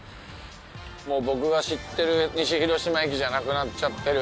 もう僕が知ってる西広島駅じゃなくなっちゃってる。